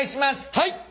はい。